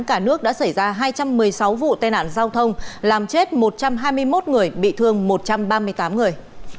cả nước đã xảy ra hai trăm một mươi sáu vụ tai nạn giao thông làm chết một trăm hai mươi một người bị thương một trăm ba mươi tám người